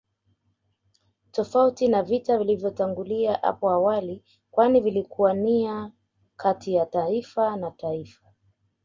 Tofauti na vita vilivyotangulia apo awali kwani vilikuwa nia kati ya taifa na taifa